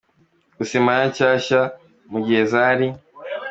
Gusa Impala nshyashya mu gihe zari.